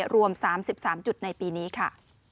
รวมสามสิบสามจุดในปีนี้ค่ะ